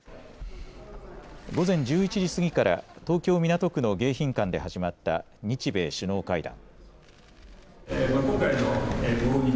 午前１１時過ぎから東京港区の迎賓館で始まった日米首脳会談。